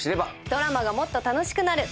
ドラマがもっと楽しくなる。